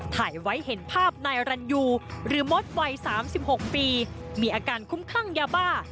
ถ่ายไว้เห็นภาพนายรันยูหรือมดวัย๓๖ปีมีอาการคุ้มข้างยาบ้า